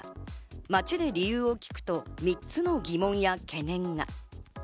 街で理由を聞くと３つの疑問や懸念が。